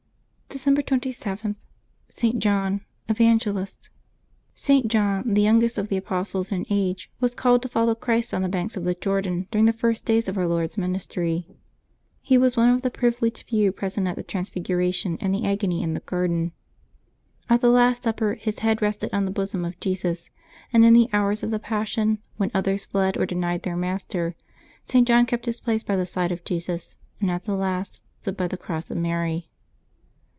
December 27.— ST. JOHN, Evangelist. @T. JoHiT, the youngest of the apostles in age, was called to follow Christ on the banks of the Jordan during the first days of Our Lord's ministry. He was one of the privileged few present at the Transfiguration and the Agony in the garden. At the Last Supper his head rested on the bosom of Jesus, and in the hours of the Passion, when others fled or denied their Master, St. John kept his place by the side of Jesus, and at the last stood by the cross with Mary.